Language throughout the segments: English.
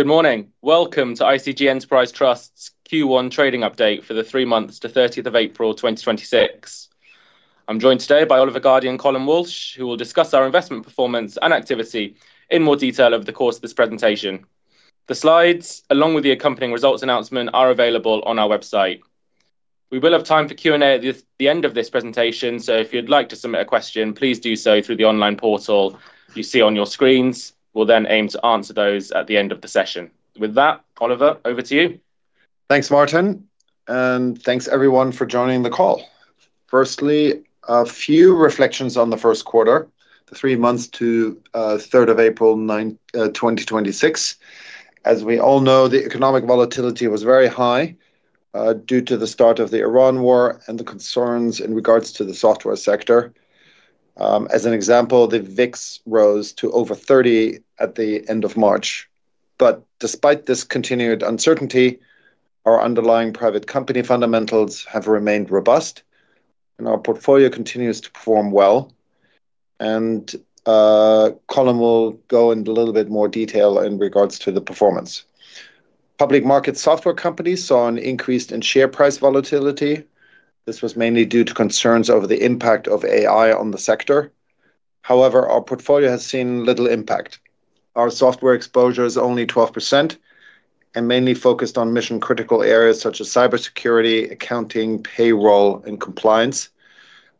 Good morning. Welcome to ICG Enterprise Trust's Q1 trading update for the three months to 30th of April 2026. I'm joined today by Oliver Gardey and Colm Walsh, who will discuss our investment performance and activity in more detail over the course of this presentation. The slides, along with the accompanying results announcement, are available on our website. We will have time for Q&A at the end of this presentation. If you'd like to submit a question, please do so through the online portal you see on your screens. We'll aim to answer those at the end of the session. With that, Oliver, over to you. Thanks, Martin, and thanks everyone for joining the call. Firstly, a few reflections on the first quarter, the three months to 3rd of April 2026. As we all know, the economic volatility was very high due to the start of the Iran war and the concerns in regards to the software sector. As an example, the VIX rose to over 30 at the end of March. Despite this continued uncertainty, our underlying private company fundamentals have remained robust, and our portfolio continues to perform well. Colm will go into a little bit more detail in regards to the performance. Public market software companies saw an increase in share price volatility. This was mainly due to concerns over the impact of AI on the sector. However, our portfolio has seen little impact. Our software exposure is only 12%, and mainly focused on mission-critical areas such as cybersecurity, accounting, payroll, and compliance,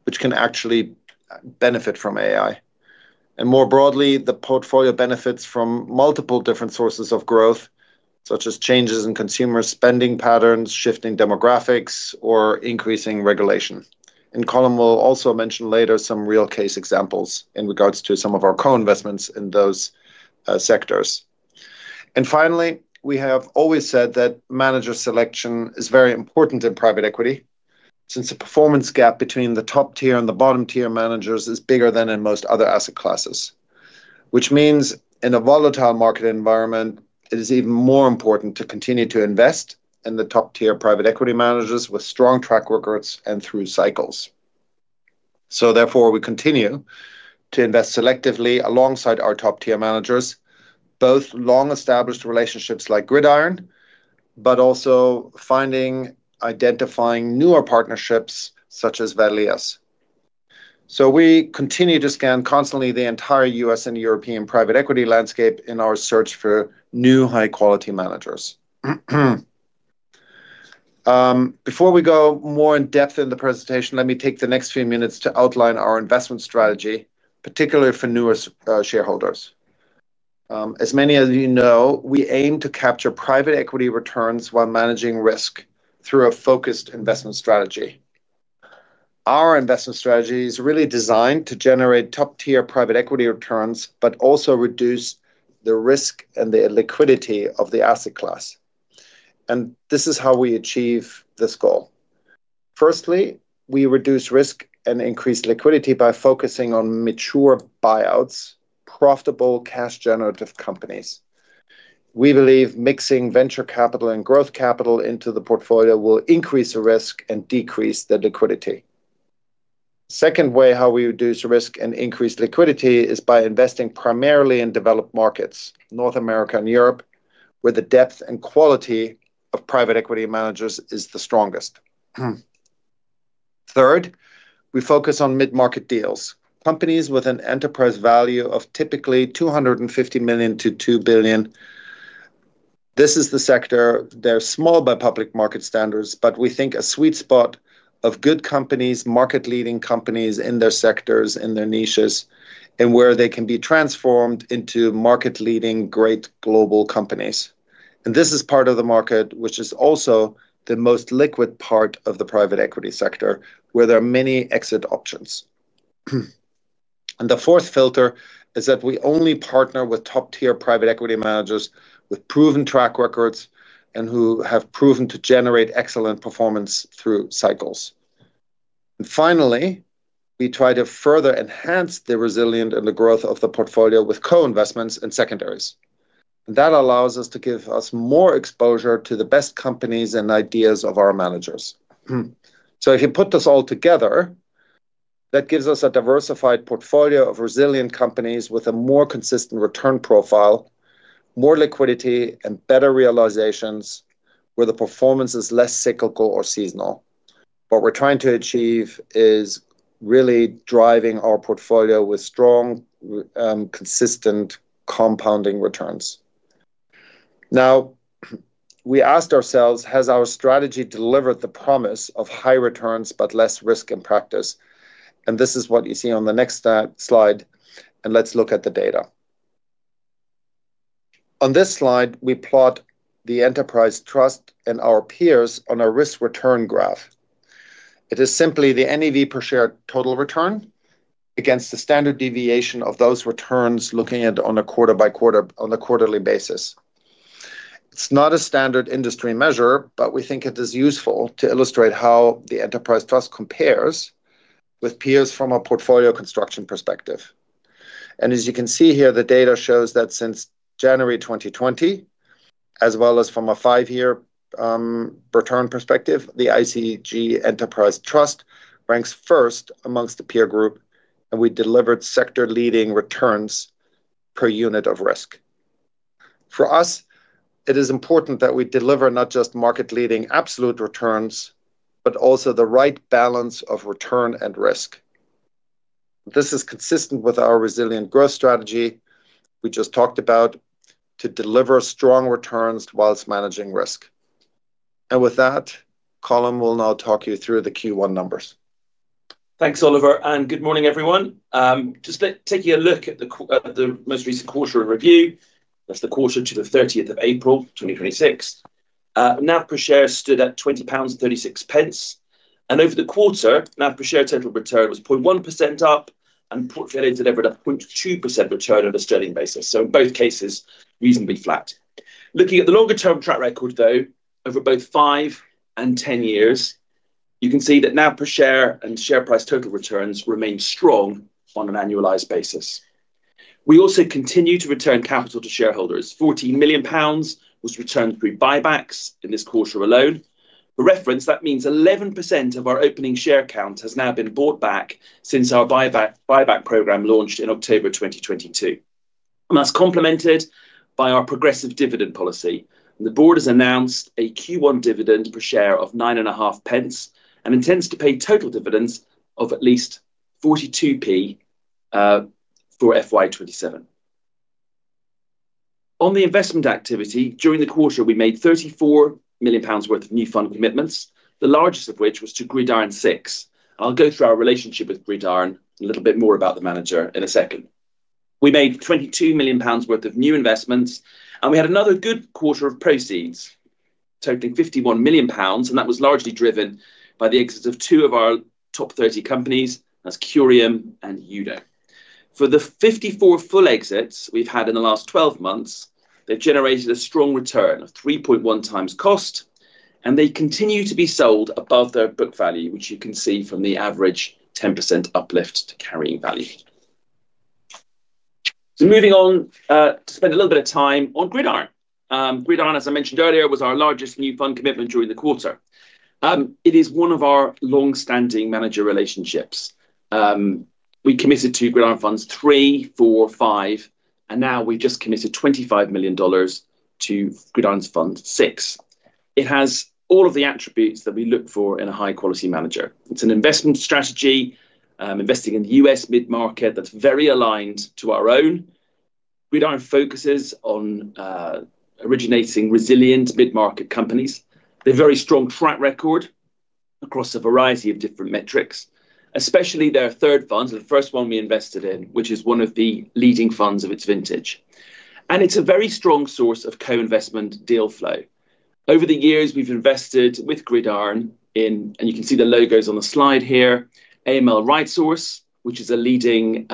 which can actually benefit from AI. More broadly, the portfolio benefits from multiple different sources of growth, such as changes in consumer spending patterns, shifting demographics or increasing regulation. Colm will also mention later some real case examples in regards to some of our co-investments in those sectors. Finally, we have always said that manager selection is very important in private equity, since the performance gap between the top-tier and the bottom-tier managers is bigger than in most other asset classes. Which means in a volatile market environment, it is even more important to continue to invest in the top-tier private equity managers with strong track records and through cycles. Therefore, we continue to invest selectively alongside our top-tier managers, both long-established relationships like Gridiron, but also finding, identifying newer partnerships such as Valeas. We continue to scan constantly the entire U.S. and European private equity landscape in our search for new high-quality managers. Before we go more in depth in the presentation, let me take the next few minutes to outline our investment strategy, particularly for newer shareholders. As many of you know, we aim to capture private equity returns while managing risk through a focused investment strategy. Our investment strategy is really designed to generate top-tier private equity returns, but also reduce the risk and the liquidity of the asset class. This is how we achieve this goal. Firstly, we reduce risk and increase liquidity by focusing on mature buyouts, profitable cash generative companies. We believe mixing venture capital and growth capital into the portfolio will increase the risk and decrease the liquidity. Second way how we reduce risk and increase liquidity is by investing primarily in developed markets, North America and Europe, where the depth and quality of private equity managers is the strongest. Third, we focus on mid-market deals. Companies with an enterprise value of typically 250 million to 2 billion. This is the sector. They're small by public market standards, but we think a sweet spot of good companies, market-leading companies in their sectors, in their niches, and where they can be transformed into market-leading great global companies. This is part of the market, which is also the most liquid part of the private equity sector, where there are many exit options. The fourth filter is that we only partner with top-tier private equity managers with proven track records and who have proven to generate excellent performance through cycles. Finally, we try to further enhance the resilient and the growth of the portfolio with co-investments and secondaries. That allows us to give us more exposure to the best companies and ideas of our managers. If you put this all together, that gives us a diversified portfolio of resilient companies with a more consistent return profile, more liquidity, and better realizations where the performance is less cyclical or seasonal. What we're trying to achieve is really driving our portfolio with strong, consistent compounding returns. We asked ourselves, has our strategy delivered the promise of high returns but less risk in practice? This is what you see on the next slide, and let's look at the data. On this slide, we plot the Enterprise Trust and our peers on a risk return graph. It is simply the NAV per share total return against the standard deviation of those returns, looking at on a quarterly basis. It's not a standard industry measure, but we think it is useful to illustrate how the Enterprise Trust compares with peers from a portfolio construction perspective. As you can see here, the data shows that since January 2020, as well as from a five-year return perspective, the ICG Enterprise Trust ranks first amongst the peer group, and we delivered sector-leading returns per unit of risk. For us, it is important that we deliver not just market-leading absolute returns, but also the right balance of return and risk. This is consistent with our resilient growth strategy we just talked about to deliver strong returns whilst managing risk. With that, Colm will now talk you through the Q1 numbers. Thanks, Oliver, good morning, everyone. Just taking a look at the most recent quarter in review. That's the quarter to the 30th of April 2026. NAV per share stood at 20.36 pounds, over the quarter, NAV per share total return was 0.1% up, the portfolio delivered a 0.2% return o a Sterling basis. In both cases, reasonably flat. Looking at the longer-term track record, though, over both five and 10 years, you can see that NAV per share and share price total returns remain strong on an annualized basis. We also continue to return capital to shareholders. 14 million pounds was returned through buybacks in this quarter alone. For reference, that means 11% of our opening share count has now been bought back since our buyback program launched in October 2022. That's complemented by our progressive dividend policy. The board has announced a Q1 dividend per share of 0.095 and intends to pay total dividends of at least 0.42 for FY 2027. On the investment activity, during the quarter, we made 34 million pounds worth of new fund commitments, the largest of which was to Gridiron VI. I'll go through our relationship with Gridiron, a little bit more about the manager in a second. We made 22 million pounds worth of new investments, and we had another good quarter of proceeds totaling 51 million pounds. That was largely driven by the exit of two of our top 30 companies. That's Curium and Yudo. For the 54 full exits we've had in the last 12 months, they've generated a strong return of 3.1x cost, and they continue to be sold above their book value, which you can see from the average 10% uplift to carrying value. Moving on to spend a little bit of time on Gridiron. Gridiron, as I mentioned earlier, was our largest new fund commitment during the quarter. It is one of our long-standing manager relationships. We committed to Gridiron Funds III, IV, V, and now we've just committed $25 million to Gridiron's Fund VI. It has all of the attributes that we look for in a high-quality manager. It's an investment strategy, investing in the U.S. mid-market that's very aligned to our own. Gridiron focuses on originating resilient mid-market companies. They have a very strong track record across a variety of different metrics, especially their third fund. The first one we invested in, which is one of the leading funds of its vintage. It's a very strong source of co-investment deal flow. Over the years, we've invested with Gridiron in, and you can see the logos on the slide here, AML RightSource, which is a leading,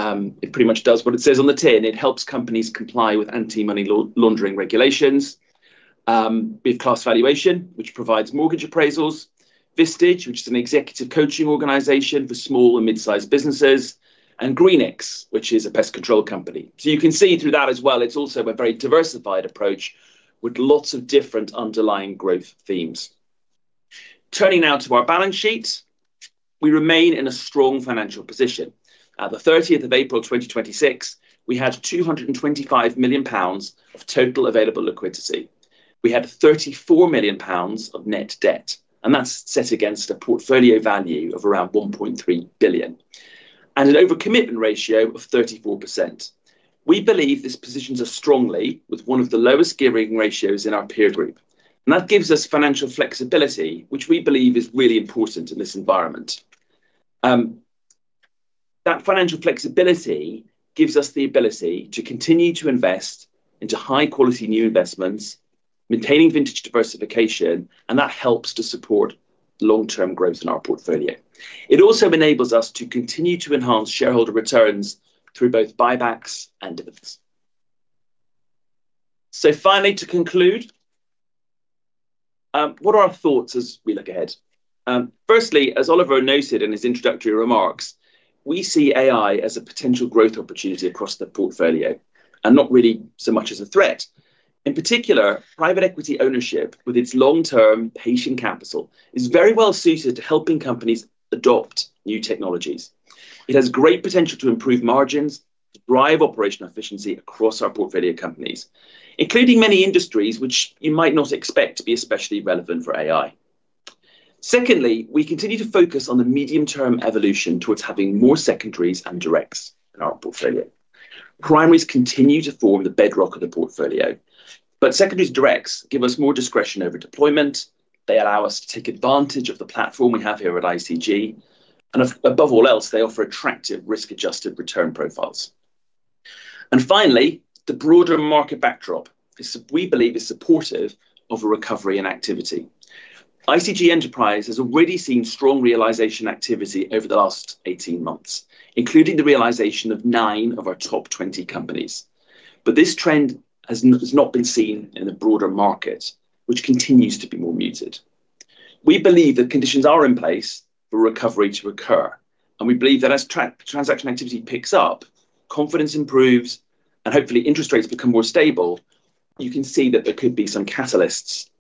it pretty much does what it says on the tin. It helps companies comply with anti-money laundering regulations. We have Class Valuation, which provides mortgage appraisals. Vistage, which is an executive coaching organization for small and mid-sized businesses, and Greenix, which is a pest control company. You can see through that as well, it's also a very diversified approach with lots of different underlying growth themes. Turning now to our balance sheet. We remain in a strong financial position. At the 30th of April 2026, we had 225 million pounds of total available liquidity. We had 34 million pounds of net debt, and that's set against a portfolio value of around 1.3 billion and an over-commitment ratio of 34%. We believe this positions us strongly with one of the lowest gearing ratios in our peer group, that gives us financial flexibility, which we believe is really important in this environment. That financial flexibility gives us the ability to continue to invest into high-quality new investments, maintaining vintage diversification, that helps to support long-term growth in our portfolio. It also enables us to continue to enhance shareholder returns through both buybacks and dividends. Finally, to conclude, what are our thoughts as we look ahead? Firstly, as Oliver noted in his introductory remarks, we see AI as a potential growth opportunity across the portfolio and not really so much as a threat. In particular, private equity ownership with its long-term patient capital is very well suited to helping companies adopt new technologies. It has great potential to improve margins, drive operational efficiency across our portfolio companies, including many industries which you might not expect to be especially relevant for AI. Secondly, we continue to focus on the medium-term evolution towards having more secondaries and directs in our portfolio. Primaries continue to form the bedrock of the portfolio, but secondaries and directs give us more discretion over deployment. They allow us to take advantage of the platform we have here at ICG. Above all else, they offer attractive risk-adjusted return profiles. Finally, the broader market backdrop we believe is supportive of a recovery in activity. ICG Enterprise has already seen strong realization activity over the last 18 months, including the realization of nine of our top 20 companies. This trend has not been seen in the broader market, which continues to be more muted. We believe that conditions are in place for recovery to occur, we believe that as transaction activity picks up, confidence improves and hopefully interest rates become more stable. You can see that there could be some catalysts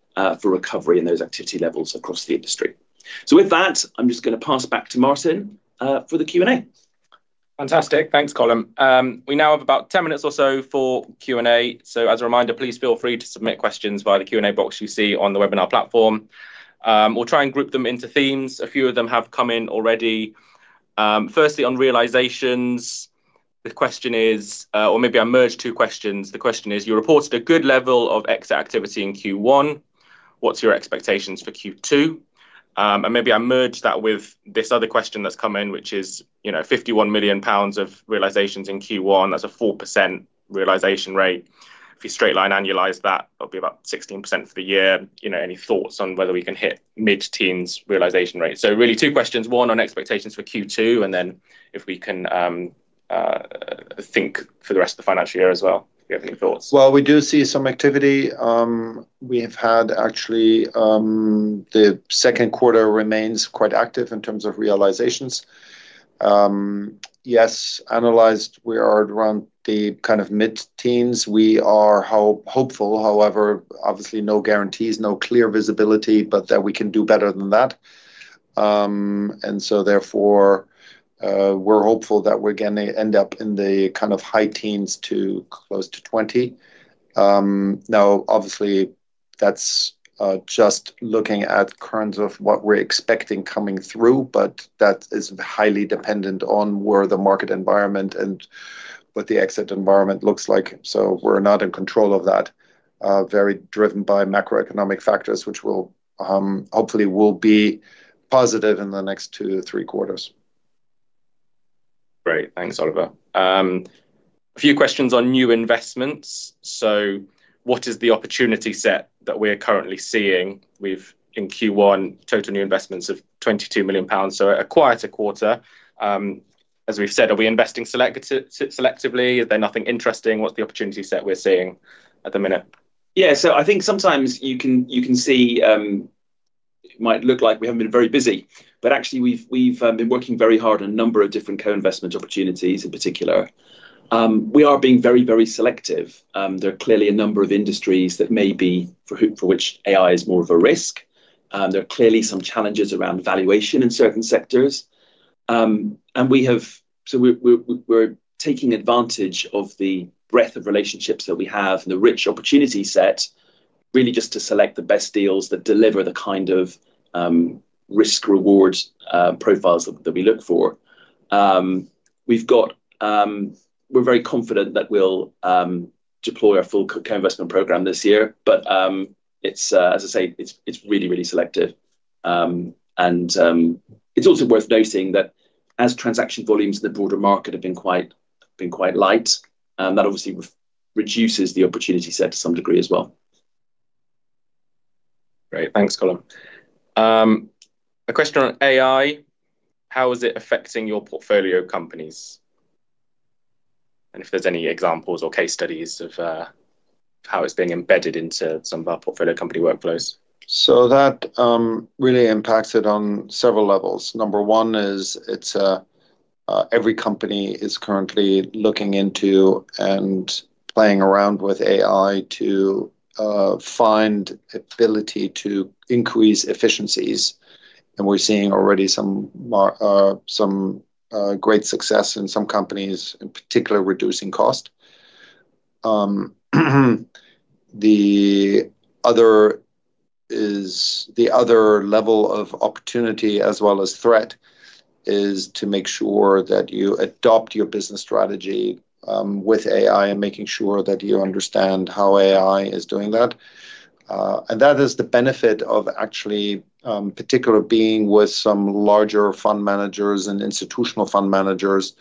for recovery in those activity levels across the industry. With that, I'm just going to pass back to Martin for the Q&A. Fantastic. Thanks, Colm. We now have about 10 minutes or so for Q&A. As a reminder, please feel free to submit questions via the Q&A box you see on the webinar platform. We'll try and group them into themes. A few of them have come in already. Firstly, on realizations, the question is, or maybe I merge two questions. The question is, you reported a good level of exit activity in Q1. What's your expectations for Q2? Maybe I merge that with this other question that's come in, which is 51 million pounds of realizations in Q1. That's a 4% realization rate. If you straight-line annualize that'll be about 16% for the year. Any thoughts on whether we can hit mid-teens realization rate? Really two questions, one on expectations for Q2, and then if we can think for the rest of the financial year as well, if you have any thoughts. We do see some activity. We have had actually; the second quarter remains quite active in terms of realizations. Yes, annualized, we are around the mid-teens. We are hopeful, however, obviously no guarantees, no clear visibility, but that we can do better than that. Therefore, we're hopeful that we're going to end up in the high teens to close to 20%. Obviously, that's just looking at current of what we're expecting coming through, but that is highly dependent on where the market environment and what the exit environment looks like. We're not in control of that. Very driven by macroeconomic factors, which hopefully will be positive in the next two to three quarters. Great. Thanks, Oliver. A few questions on new investments. What is the opportunity set that we are currently seeing within Q1, total new investments of 22 million pounds, a quieter quarter. As we've said, are we investing selectively? Are there nothing interesting? What's the opportunity set we're seeing at the minute? Yeah. I think sometimes you can see, it might look like we haven't been very busy, but actually we've been working very hard on a number of different co-investment opportunities in particular. We are being very, very selective. There are clearly a number of industries that may be for which AI is more of a risk. There are clearly some challenges around valuation in certain sectors. We're taking advantage of the breadth of relationships that we have and the rich opportunity set, really just to select the best deals that deliver the kind of risk-rewards profiles that we look for. We're very confident that we'll deploy our full co-investment program this year. As I say, it's really, really selective. It's also worth noting that as transaction volumes in the broader market have been quite light, that obviously reduces the opportunity set to some degree as well. Great. Thanks, Colm. A question on AI, how is it affecting your portfolio companies? If there's any examples or case studies of how it's being embedded into some of our portfolio company workflows. That really impacts it on several levels. Number one is every company is currently looking into and playing around with AI to find ability to increase efficiencies. We're seeing already some great success in some companies, in particular, reducing cost. The other level of opportunity as well as threat is to make sure that you adopt your business strategy, with AI and making sure that you understand how AI is doing that. That is the benefit of actually, particular being with some larger fund managers and institutional fund managers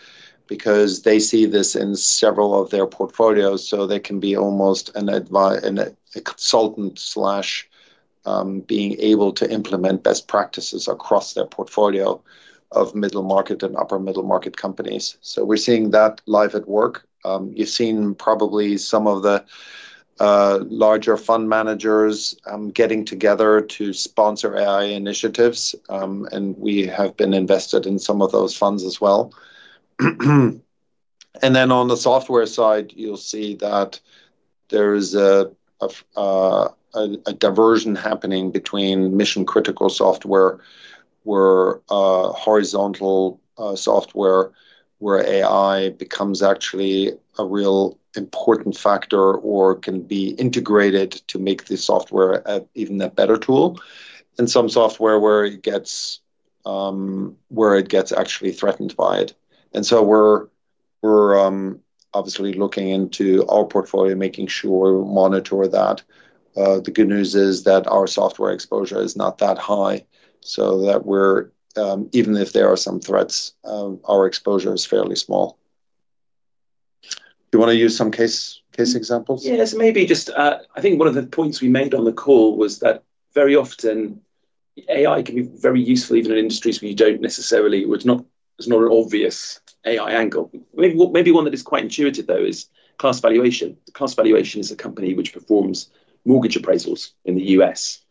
because they see this in several of their portfolios, so they can be almost a consultant slash, being able to implement best practices across their portfolio of middle market and upper middle market companies. We're seeing that live at work. You've seen probably some of the larger fund managers getting together to sponsor AI initiatives. We have been invested in some of those funds as well. On the software side, you'll see that there is a diversion happening between mission-critical software, where horizontal software, where AI becomes actually a real important factor or can be integrated to make the software even a better tool. Some software where it gets actually threatened by it. We're obviously looking into our portfolio, making sure we monitor that. The good news is that our software exposure is not that high, so that even if there are some threats, our exposure is fairly small. Do you want to use some case examples? Yes, maybe just, I think one of the points we made on the call was that very often AI can be very useful even in industries where you don't necessarily There's not an obvious AI angle. Maybe one that is quite intuitive, though, is Class Valuation. Class Valuation is a company which performs mortgage appraisals in the U.S.,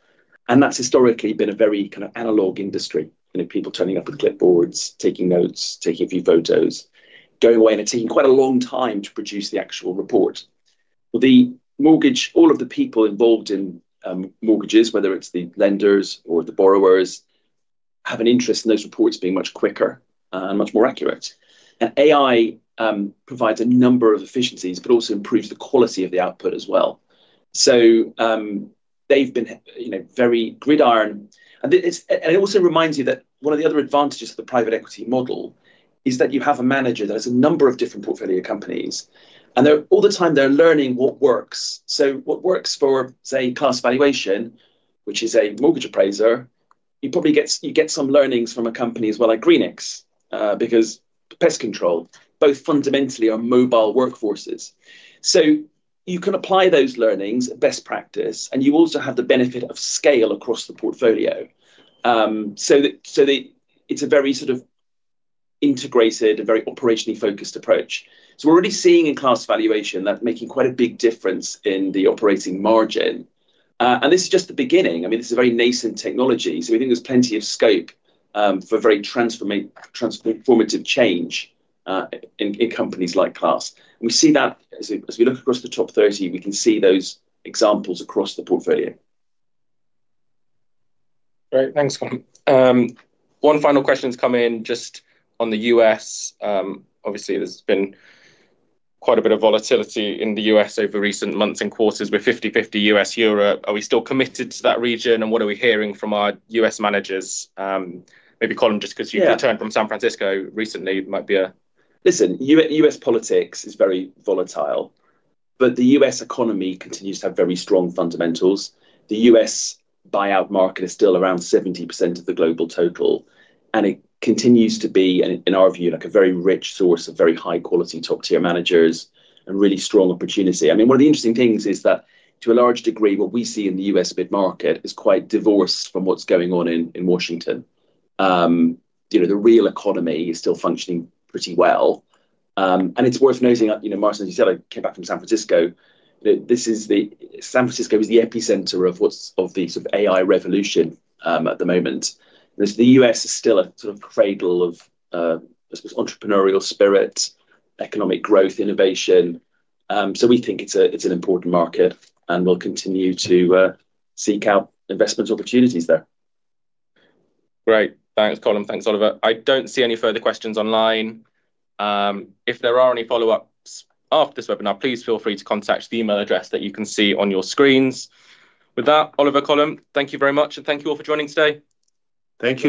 and that's historically been a very analog industry, people turning up with clipboards, taking notes, taking a few photos, going away and it taking quite a long time to produce the actual report. Well, the mortgage, all of the people involved in mortgages, whether it's the lenders or the borrowers, have an interest in those reports being much quicker and much more accurate. AI provides a number of efficiencies but also improves the quality of the output as well. They've been very–Gridiron and it also reminds you that one of the other advantages of the private equity model is that you have a manager that has a number of different portfolio companies, and all the time they're learning what works. What works for, say, Class Valuation, which is a mortgage appraiser, you get some learnings from a company as well, like Greenix, because pest control both fundamentally are mobile workforces. You can apply those learnings best practice, and you also have the benefit of scale across the portfolio. it's a very integrated and very operationally focused approach. We're already seeing in Class Valuation that making quite a big difference in the operating margin. This is just the beginning. This is a very nascent technology, so we think there's plenty of scope, for very transformative change, in companies like Class. We see that as we look across the top 30, we can see those examples across the portfolio. Great. Thanks, Colm. One final question's come in just on the U.S. Obviously, there's been quite a bit of volatility in the U.S. over recent months and quarters with 50/50 U.S./Europe. Are we still committed to that region and what are we hearing from our U.S. managers? Maybe Colm, just because you've returned from San Francisco recently, might be a– Listen, U.S. politics is very volatile, the U.S. economy continues to have very strong fundamentals. The U.S. buyout market is still around 70% of the global total, it continues to be, in our view, a very rich source of very high-quality top-tier managers and really strong opportunity. One of the interesting things is that to a large degree, what we see in the U.S. bid market is quite divorced from what's going on in Washington. The real economy is still functioning pretty well. It's worth noting, Martin, as you said, I came back from San Francisco, San Francisco is the epicenter of the AI revolution at the moment. The U.S. is still a cradle of, I suppose, entrepreneurial spirit, economic growth, innovation. We think it's an important market and we'll continue to seek out investment opportunities there. Great. Thanks, Colm. Thanks, Oliver. I don't see any further questions online. If there are any follow-ups after this webinar, please feel free to contact the email address that you can see on your screens. With that, Oliver, Colm, thank you very much, and thank you all for joining today. Thank you.